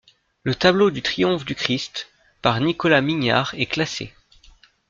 Le tableau du triomphe du Christ, par Nicolas Mignard, est classé.